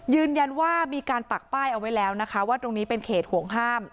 ยืนยันว่ามีการปักป้ายเอาไว้แล้วนะคะว่าตรงนี้เป็นเขตห่วงห้าม